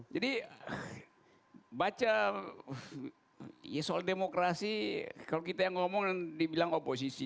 jadi baca soal demokrasi kalau kita yang ngomong dibilang oposisi